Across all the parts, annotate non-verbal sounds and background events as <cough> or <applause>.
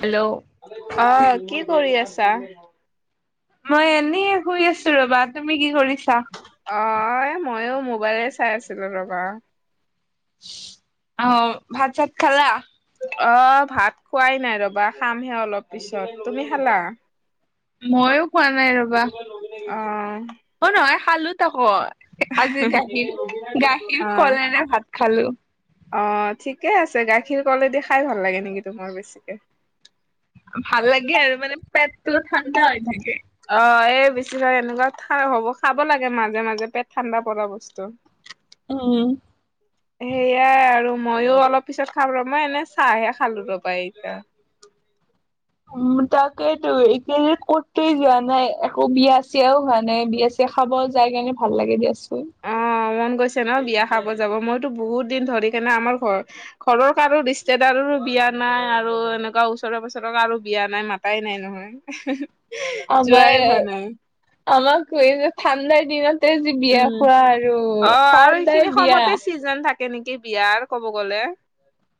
Hello অহ, কি কৰি আছা? মই এনেই শুই আছোঁ ৰবা, তুমি কি কৰিছা? অ', এই মইয়ো ম'বাইলয়ে চাই আছিলোঁ ৰবা অ', ভাত-চাত খালা? অ' ভাত খোৱাই নাই ৰবা, খামহে অলপ পিছত তুমি খালা? ময়ো খোৱা নাই ৰবা অহ অ' নহয়, খালোঁ তক আজি গাখীৰ, অ গাখীৰ-কলেৰে ভাত খালোঁ। অ', ঠিকে আছে গাখীৰ-কলেদি খাই ভাল লাগে নেকি তোমাৰ বেছিকে? ভাল লাগে আৰু মানে পেটটো ঠাণ্ডা হৈ থাকে। অ', এই বেছিভাগ এনেকুৱা থা হ'ব খাব লাগে মাজে মাজে পেট ঠাণ্ডা পৰা বস্তু উম উম সেইয়া আৰু মইয়ো অলপ পিছত খাম ৰ' মই এনে চাহহে খালোঁ ৰবা এতিয়া। উম, তাকেইতো এতিয়া যে ক'তে যোৱা নাই একো বিয়া-চিয়াও হোৱা নাই, বিয়া চি য়া খাব যায় কেনে ভাল লাগে দিয়াচোন। অহ, মন গৈছে ন বিয়া খাব যাব। মইতো বহুত দিন ধৰি কেনা আমাৰ ঘৰ- ঘৰৰ কাৰো ৰিস্তেদাৰৰো বিয়া নাই আৰু এনেকুৱা ওচৰৰ-পাচৰৰ কাৰো বিয়া নাই, মাতাই নাই নহয়। <unintelligible> অ গয়ে যোৱাই হোৱা নাই আম খুঢ়ী যে ঠাণ্ডাৰ দিনত তে যে বিয়া উম খোৱা আৰু সদায় বিয়া কি জানা কেনেকে বিয়াৰ ক'ব গ'লে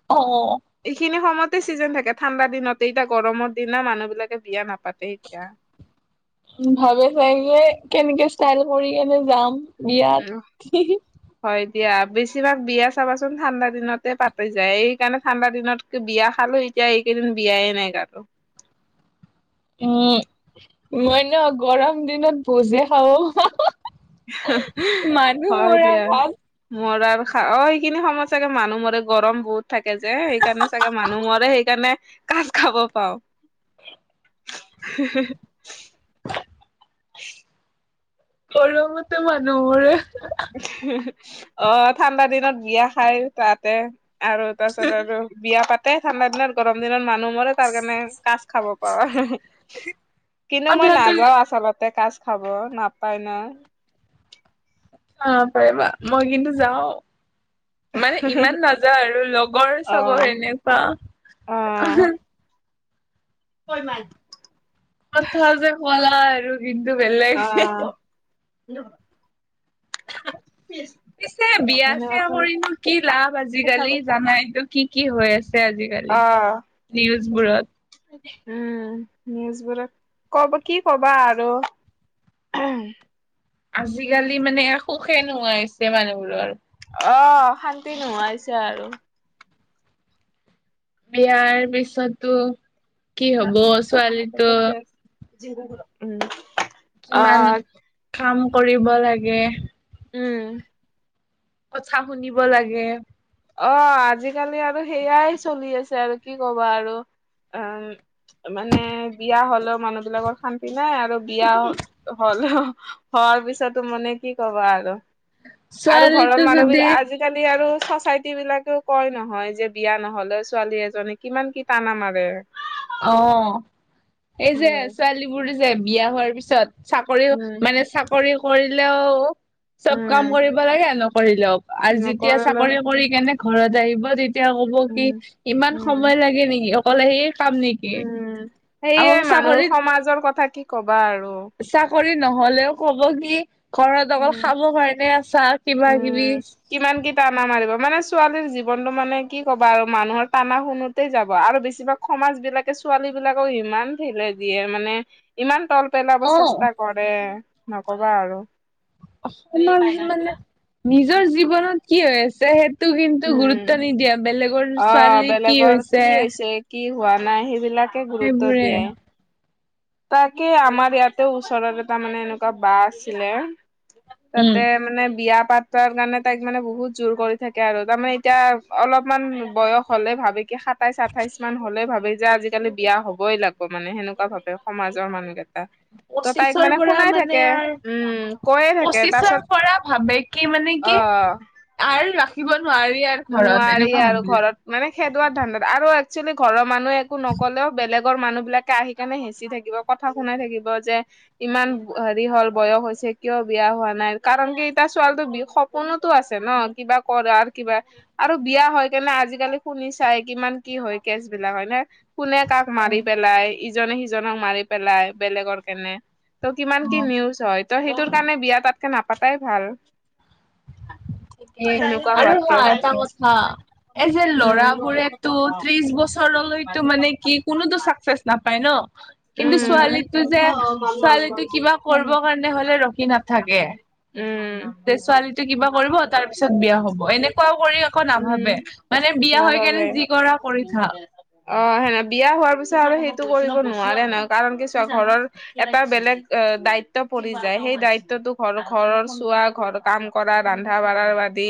অ' অ' এইখিনি সময়তে ছিজন থাকে, ঠাণ্ডা দিনত এতিয়া গৰমৰ দিনা, মানুহ বিলাকে বিয়া নাপাতে এতিয়া। উম ভাবে চাগে কেনেকে ষ্টাইল কৰি কেনে যাম উম বিয়াত হি‌ হি হয় দিয়া বেছিভাগ বিয়া চাবাচোন ঠাণ্ডা দিনতে পাতে যায় এইকাৰণে ঠাণ্ডা দিনত টো বিয়া খালো এতিয়া এইকেইদিনত বিয়াই নাই কাৰো উম মই ন গৰম দিনত ভোজে খাওঁ মানুহ হয় মৰা দিয়া ভাত মৰাৰ খা অ সেইখিনি সময় চাগে মানুহ মৰে গৰম বহুত থাকে যে সেইকাৰণে চাগে মানুহ মৰে সেইকাৰণে কাজ খাব পাও হি, হি। গৰমতে মানুহ মৰে অ ঠাণ্ডা দিনত বিয়া খাই তাতে আৰু তাৰপিছত আৰু বিয়া পাতে ঠাণ্ডা দিনত গৰম দিনত মানুহ মৰে তাৰ কাৰণে কাজ খাব পাও কিন্তু মই আধাতে নাযাও আচলতে কাজ খাব নাপায় না বাপৰে বাপ মই কিন্তু যাও মানে ইমান নাযাওঁ আৰু লগৰ অ চগৰ এনেকুৱা অ <unintelligible> কথা যে ক'লা আৰু কিন্তু বেলেগ আ কিছ পিছে বিয়া চিয়া কৰিনো কি লাভ কথা আজিকালি জানাইতো কি কি হৈ আছে আজি আহ উম নিউজবোৰক কব কি কবা আৰু উম আজিকালি মানে সুখে নোহোৱাই হৈছে মানুহবোৰোৰ অ শান্তি নোহোৱা‌ হৈছে আৰু বিয়াৰ পিছতো কি হব অ ছোৱালীটো <unintelligible> উম কিমান আহ কাম কৰিব লাগে উম কথা শুনিব লাগে অ আজিকালি আৰু সেইয়াই চলি আছে আৰু কি ক'বা আৰু উম মানে বিয়া হলেও মানুহ বিলাকৰ শান্তি নাই আৰু বিয়া হলেও হোৱাৰ পিছতো মানে কি ক'বা আৰু আৰু ছোৱালীটো ঘৰৰ মানুহ যদি বিলাক আজি কালি আৰু চচাই টি বিলাকেও কয় নহয় যে বিয়া নহলে ছোৱালী এজনী কিমান কি টানা মাৰে অ এই যে উম ছোৱালীবোৰ যে বিয়া হোৱাৰ পিছত চাকৰি মানে চাকৰি কৰিলেও চব কাম উম কৰিব লাগে নকৰিলেও আৰু যেতিয়া নকৰিলে চাকৰি কৰি কেনে ঘৰত আহিব তে তেতিয়া কব কি উম ইমান উম সময় লাগে নেকি অকলে সেই কাম নেকি উম আকৌ সেয়ে মানুহ চাকৰিত সমাজৰ কথা কি কবা আৰু চাকৰি নহলেও কব কি ঘৰত উম অকল খাব কাৰণে আছা কিবা কিবি উম কিমান কি টানা মাৰিব মানে ছোৱালীৰ জীৱনটো মানে কি ক'ব আৰু মানুহৰ টানা শুনোতেই যাব আৰু বেছিভাগ সমাজ বিলাকে ছোৱালী বিলাকক ইমান ঠিলে দিয়ে মানে ইমান তল পেলাব অ চেষ্টা কৰে নকবা আৰু অকমান মানে নিজৰ জীৱনত কি হৈ আছে সেই টো কিন্তু উম গুৰুত্ব নিদিয়া বেলেগৰ ছোৱালী কি হৈছে কি হোৱা নাই সেইবিলাকে গুৰুত্ব সেইবোৰে দিয়ে। তাকে আমাৰ ইয়াতে ওচৰত এটা মানে এনেকুৱা বা আছিলে। উম তাতে মানে বিয়া পাত তাৰ কাৰণে তাইক মানে বহুত জোৰ কৰি থাকে আৰু, তাৰমানে এতিয়া অলপমান বয়স হলে ভাবে কি সাত সাতাইছ আঠাইছ মান হ'লে ভাবি যে আজিকালি বিয়া হ'বই লাগিব মানে সেনেকুৱা ভাবে। সমাজৰ মানুহকেইটা। ত তাইক পঁচিছৰ মানে পৰা শুনাই মানে থাকে, আৰ উম কৈয়ে থাকে পঁচিছৰ তাৰপাছত পৰা ভাবে কি মানে কি অ আৰ ৰাখিব নোৱাৰি আৰু ঘৰত নোৱাৰি এনেকুৱা আৰু ভবিল। ঘৰত মানে খেদুৱোৱাৰ ধান্দাত, আৰু এক্চুৱেলি ঘৰৰ মানুহে একো নকলেও বেলেগ আগৰ মানুহ বিলাকে আহিকেনে হেঁচি থাকিব কথা শুনাই থাকিব যে, ইমান হেৰি হ'ল বয়স হৈছে কিয় বিয়া হোৱা নাই কাৰণ কি এতিয়া ছোৱালীটোৰ স পোনতো আছে ন কিবা কৰাৰ কিবা আৰু বিয়া হয় কেনে আজিকালি শুনি চাই কিমান কি হয় কেচ বিলাক হয় নে। কোনে কাক মাৰি অ পেলাই ইজনে সিজনক মাৰি পেলাই বেলেগৰ কাৰণে। ত' কিমান কি অ নিউজ হয়। ত সেইটোৰ কাৰণে বিয়া তাতকে নাপাতাই ভাল। এ সেনেকুৱা আৰু হোৱাতকে হা এটা কথা। এই যে ল'ৰা বোৰেতটো উম ত্ৰিশ বছৰলৈতো মানে কি কোনোতো চাকচেছ নাপায় ন। কিন্তু ছোৱালীটো যে ছোৱালীটো কিবা উম কৰিব কাৰণে হলে ৰখি নাথাকে। উম। তে ছোৱালীটো কিবা কৰিব তাৰ পিছত বিয়া হব এনেকুৱও কৰি আকৌ নাভাবে। মানে বিয়া মাৰ হৈ বাবে কেনে যি কৰা কৰি থাক। অ' সেনে বিয়া হোৱাৰ পিছত আৰু সেইটো কৰিব নোৱাৰে ন কাৰণ কিছু ঘৰৰ। এটা বেলেগ দায়িত্ব পৰি যায়, সেই দায়িত্বতো ঘৰ ঘৰৰ চোৱা ঘৰ কাম কৰা ৰন্ধা বঢ়া বাদি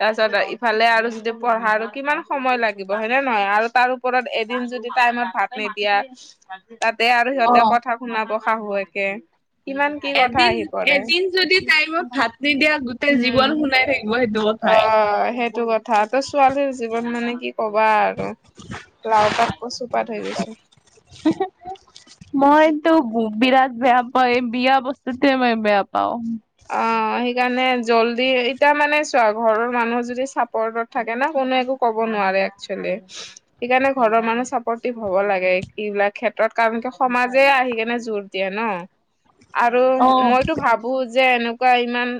তাৰপিছত ইফালে আৰু যিটো পঢ়া কিমান সময় লাগিব হয়নে নহয় আৰু তাৰ ওপৰত এদিন যদি টাইমত ভাত নিদিয়া। তাতে আৰু অ সিহঁতে কথা শুনাব শাহুৱেকে। কিমান কি কথা এদিন আহি পৰে এদিন যদি টাইমত ভাত নিদিয়া গোটেই জীৱন শুনাই থাকিব সেইটো। কথাই অঁ সেইটো কথ থা, ছোৱালীৰ জীৱন মানে কি কবা আৰু লাও পাত কচুপাত হৈ গৈছে। মই তো গো বিৰাত বেয়া পাওঁ, এ বিয়া বস্তুটোৱে বেয়া পাওঁ। অঁ, সেইকাৰণে জল্দি এতিয়া মানে চোৱা ঘৰৰ মানুহ যদি চাপৰ্টত থাকে ন কোনো একো ক'ব নোৱাৰে একচোৱেলি। সেইকাৰণে ঘৰৰ মানুহ চাপৰ্টিভ হব লাগে, এইবিলাক ক্ষেত্ৰত কাৰণ কি সমাজে আহি কেনে জোৰ দিয়ে ন, আৰু অ মইতো ভাবো যে যে এনেকুৱা ইমান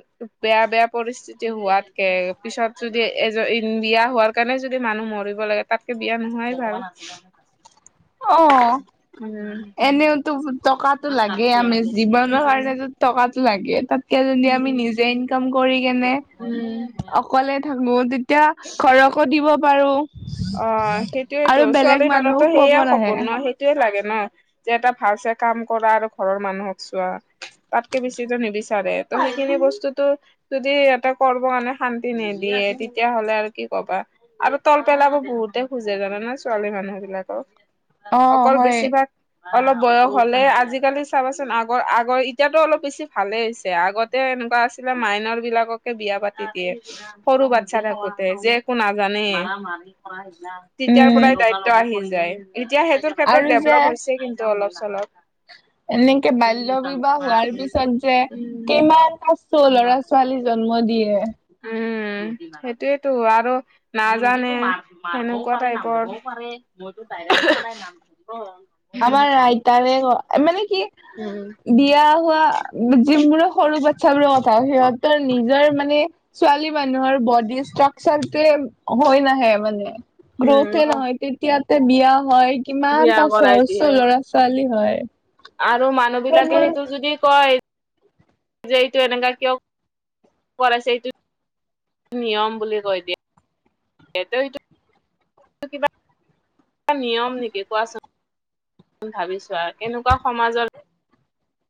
বেয়া বেয়া পৰিস্থি তেতিয়া হোৱাতকে পিছত যদি এজন বিয়া হোৱাৰ কাৰণে যদি মানুহ মৰিব লাগে। তাতকে বিয়া নোহোৱাই ভাল। অঁ, উম এনেওতো টকাতো লাগেই আমি জীৱনৰ কাৰণে টকাতো লাগে। তাতকে যদি উম আমি নিজে ইনকাম কৰি কেনে উম উম অকলে থাকো, তেতিয়া ঘৰকো দিব পাৰো। অ সেইটোয়েতো আৰু বেলেগ ছোৱালী মানুহো মানুহতো খোৱাব সেয়া নাহে সপোন ন সেই টোৱে লাগে ন, যে এটা ভাল চাই কাম কৰা আৰু ঘৰৰ মানুহক চোৱা। তাতকে বেছি যে নিবিচাৰে ত' সেইখিনি বস্তুতো। যদি ইহতে কৰ্ম কাৰণে শান্তি নিদিয়ে তেতিয়াাহ'লে আৰু কি কবা আৰু তল পেলাব বহুতে খোজে জানে ন ছোৱালী মানুহ বিলাকক অ', অকল হয় বেছিভাগ। অলপ বয়স হলে আজিকালি চাবাচোন আগৰ আগৰ এতিয়াতো অলপ বেছি ভালে হৈছে আগত। তে এনেকুৱা আছিলে মাইনৰ বিলাককে বিয়া পাতি দিয়ে। সৰু বাচ্ছা থাকোতে যে একো নাজানেই। তেতিয়াৰ উম। পৰাই দায়িত্ব আহি যায় এতিয়া সেইটোৰ ক্ষেত্ৰত আৰু যে ডেভলপ হৈছে কিন্তু। ট অলপ চলপ। এনেকে বাল্য বিৱাহ হোৱাৰ পিছত যে কিমানটা চো ল'ৰা চো ছোৱালী জন্ম দিয়ে। উম সেইটোয়েইতো আৰু। নাজানে সেনেকুৱা টাইপৰ <unintelligible> <unintelligible> আমাৰ আইতাৰে কয় মানে কি। উম। বিয়া হোৱা যি বোৰে সৰু বাচ্ছ বোৰে কথা সিহঁত। তৰ নিজৰ মানে ছোৱালী মানুহৰ বদ দি ষ্ট্ৰাকচাৰ টোৱে হয় নাহে মানে গ্ৰোথে উম নহয় তেত য়াতে বিয়া হয় বিয়া কিমানটা চ কৰাই দিয়ে। চ ল'ৰা -ছোৱালী হয়। আৰু মানুহ বিলাকে সেইবোৰ সেইটো যদি কয় যে এইটো এনেকা কিয়? কৰাইছে এইটো নিয়ম বুলি কৈ দিয়ে। হেতৰ এইটো কিবা নিয়ম নেকি কোৱাচোন? ভাৱিচোৱা কেনেকুৱা সমাজৰ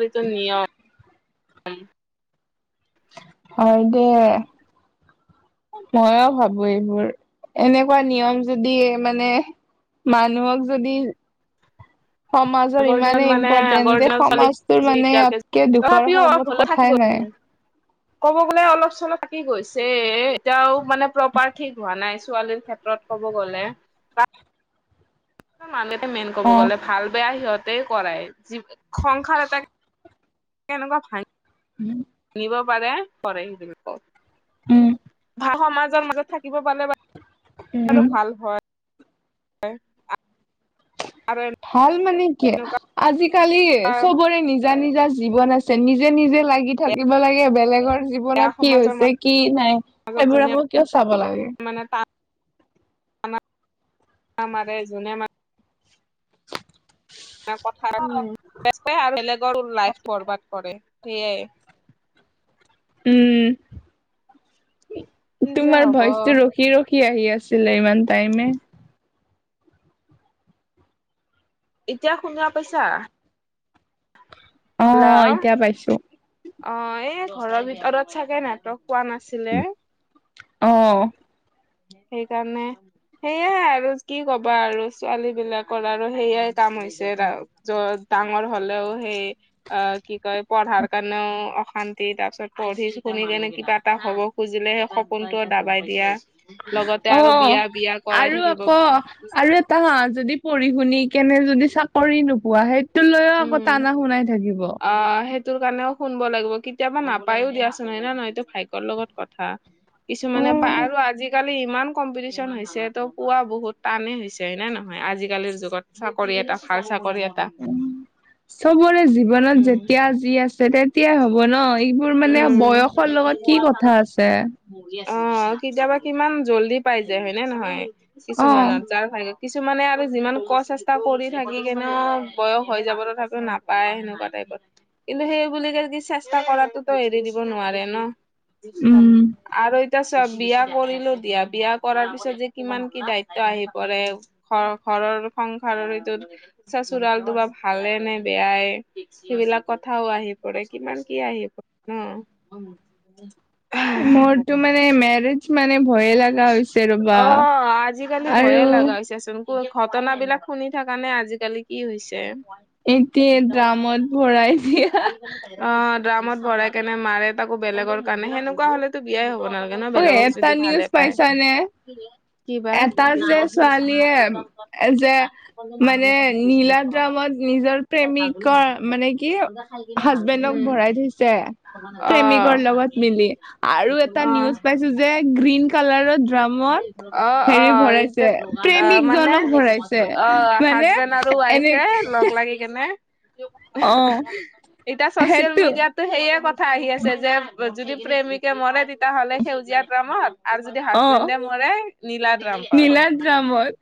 এইটো নিয়ম। হয় দে। মইও ভাবো এইবোৰ এনেকুৱা নিয়ম যদি মানে। মানুহক যদি। সমাজৰ আগৰ দিনত ইমানেই মানে আগৰ ইম্পৰ্টেন্ট যে দিনত ছোৱালী সমাজটোৰ মানে এতিয়ালৈকে ইয়াতকে দুখৰ তথাপিও <unintelligible> হ'লেও থাকি কথাই গ'ল নাই। <inaudible> ক'ব গ'লে অলপ চলপ থাকি গৈছে এতিয়াও মানে প্ৰপাৰ ঠিক হোৱা নাই ছোৱালীৰ ক্ষেত্ৰত। ক'ব গ'লে। <unintelligible> মেইন ক'ব অ গ'লে। ভাল বেয়া সিহঁতেই কৰাই যি সংসাৰ এটাক কেনেকুৱা ভা হম। নিব পাৰে কৰেই সি <unintelligible> উম। ভা সমাজৰ মাজত থাকিব পালে বাৰু উম। ভাল হয়। আৰু এণ ভাল মানে কি আজিকালি চবৰে নিজ নিজা -নিজা জীৱন আছে নিজে -নিজে লাগি থাকিব লাগে বেলেগৰ বেয়া জীৱনত কি সমাজৰ হৈছে কি নাই মাজত সেইবোৰ যোনে আকৌ কিয় চাব লাগে। আমাৰ আমাৰে জোনে মা <inaudible> কথা <unintelligible> আৰু বেলেগৰ লাইফ বৰবাদ কৰে সেইয়াই। উম কি যে তোমাৰ হব ভইচটো ৰখ ৰখি ৰখি আহি আছিলে ইমান টাইমে। এতিয়া শুনা পাইছা অ হেল্ল'। এতিয়া পাইছো অ এই ঘৰৰ ভিতৰত চাগে নেটৱৰ্ক পোৱা নাছিলে অঁ সেইকাৰণে সেয়াই আৰু কি ক'বা আৰু ছোৱালী বিলাকৰ আৰু সেইয়াই কাম হৈছে ৰা যত ডাঙৰ হলেও সেই অ কি কয় পঢ়াৰ কাৰণেও অশান্তি কি তাৰ পিছত পঢ়ি শুনি কেনে কিবা এটা হ'ব খুজিলে সেই সপোনটোও দাবাই দিয়া লগতে অ আৰু বিয়া বিয়া কৰাই আৰু থাকিব আকৌ আৰু এটা হা যদি পঢ়ি শুনি কেনে যদি চাকৰি নোপোৱা সেই টো লৈও আকৌ টানা শুনাই থাকিব তোৰ কাৰণেও শুনব লাগিব কেতিয়াবা নাপায়ও দিয়াচোন হয় না নহয় এইটো ভাগ্যৰ লগত কথা কিছুমানে পা অ আৰু আজিকালি ইমান কম্পিটিচন হৈছে ত' পোৱা বহুত টানেই হৈছে হয় নে নহয় আজিকালিৰ যুগত চাকৰি এটা ভাল চাকৰি এটা চবৰে জীৱনত যেতিয়া যি আছে তেতিয়াই হ'ব ন এইবোৰ অ মানে বয়সৰ লগত কি কথা আছে অ কেতিয়াবা কিমান জল্দি পাই য হয়নে নহয় অ কিছুমানত যাৰ ভা কিছুমানে আৰু যিমান ক চেষ্টা কৰি থাকি কেনেও বয়স হৈ যাব তথাপি নাপায় সেনেকুৱা টাইপৰ কিন্তু সেইবুলি কি চেষ্টা কৰাটোতো এৰি দিব নোৱাৰে ন। উম আৰু এতিয়া চোৱা বিয়া কৰিলো বিয়া দিয়া কৰাৰ পিছত যে কিমান কি দায়িত্ব আহি পৰে। ঘৰ ঘৰৰ সংসাৰৰ টোত চচোৰালটো বা ভালে নে বেয়াই সেইবিলাক কথাও আহি পৰে কিমান কি আহি পৰে ন। মোৰটো মানে মেৰিড মেৰিড মানে ভয়। অ আজিকালি ভয়ে আৰু লগা হৈছে চোন। ঘটনা বিলাক শুনি থকা নে আজিকালি কি হৈছে। এতিয়া ড্ৰামত ভৰাই দিয়া। অ ড্ৰামত ভৰাই কেনে মাৰে তাকো বেলেগৰ কাৰণে সেনেকুৱা হলেতো বিয়াই হ'ব না নালাগে ন অ বেলেগক এটা যদি ভালে নিউজ পায়। <inaudible> পাইছানে এটা যে ছোৱালীয়ে প্ৰেমত নিজৰ প্ৰেমিকৰ মানে কি হাজবেণ্ডক ভৰাই থৈছে। উম, অ প্ৰেমিকৰ লগত মিলি আৰু এটা নিউজ পাইছো যে গ্ৰীণ কালাৰৰ ড্ৰামত অ অ হেৰি ভৰাইছে এইটোত অ প্ৰেমিক মানে জনক ভৰাইছে। অ মানে হাজবেণ্ড আৰু এনে ৱাইফে লগ লাগি অ এতিয়া চচিয়েল সেইটো মেডিয়াত। সেইয়ে কথা আহি আছে যে যদি প্ৰেমিকে মৰে তেতিয়াহ'লে সেউজীয়া ড্ৰামত আৰু যদি অ হাজবেণ্ডে মৰে নীলা ড্ৰামত নীলাদ্ৰামত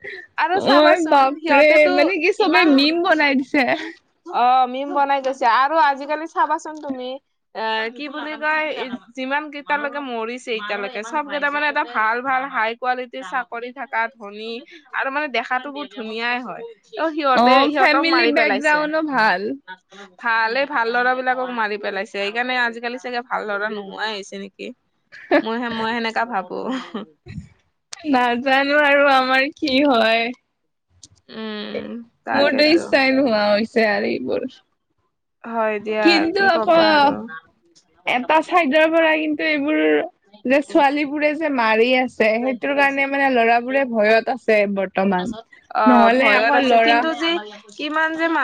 আৰু মই চাবাচোন বাপৰে সিহঁতেটো মানে কি চবে ইমান মিম বনাই দিছে অ মিম বনাই থৈছে আৰু আজিকালি চাবাচোন তুমি এ কি বুলি কয় যিমান কেইটালৈকে মৰিছে এতিয়ালৈকে চব কেইটা মানে এটা ভাল ভাল হাই কোৱালিটিৰ চাকৰি থকা ধনী আৰু মানে দেখাতো বহু ধুনীয়াই হয়। অ সিহঁতে সিহঁতক ফেমিলি মাৰি পেলাইছে। বেকগ্ৰাউণ্ডো ভাল ভালেই ভাল লৰাবিলাকক মাৰি পেলাইছে সেইকাৰণে আজিকালি চাগে ভাল লৰা নোহোৱাই হৈছে নেকি। মইহে মই সেনেকা ভাবো। নাজানো আৰু আমাৰ কি হয়। উম মোৰটো তাকেতো। ইচ্ছাই নোহোৱা হৈছে আৰু এইবোৰ হয় দিয়া কিন্তু কি আকৌ কবা আৰু এটা চাইডৰ পৰা কিন্তু এইবোৰ। যে ছোৱালী বোৰে যে মাৰি আছে সেইটোৰ কাৰণে মানে ল'ৰাবোৰে ভয়ত আছে বৰ্তমান। অ নহলে ভয়ত আকৌ আছে ল'ৰা কিন্তু যে কিমান যে মান